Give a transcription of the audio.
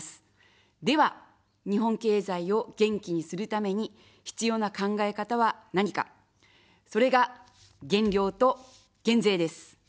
では、日本経済を元気にするために必要な考え方は何か、それが減量と減税です。